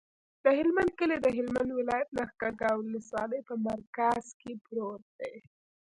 د هلمند کلی د هلمند ولایت، لښکرګاه ولسوالي په مرکز کې پروت دی.